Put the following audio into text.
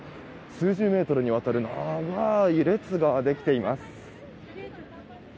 数十メートルにわたる長い列ができています。